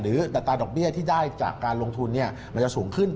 อัตราดอกเบี้ยที่ได้จากการลงทุนมันจะสูงขึ้น